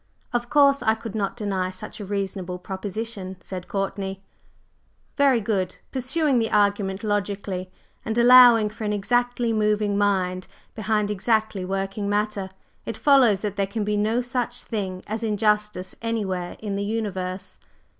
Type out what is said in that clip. "Of course, I could not deny such a reasonable proposition," said Courtney. "Very good! Pursuing the argument logically, and allowing for an exactly moving Mind behind exactly working Matter, it follows that there can be no such thing as injustice anywhere in the universe?"